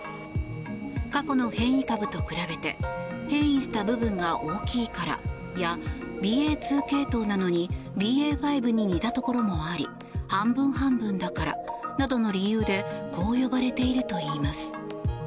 過去の変異株と比べて変異した部分が大きいからやＢＡ．２系統なのにＢＡ．５に似たところもあり半分半分だからなどの理由でこう呼ばれているといいます。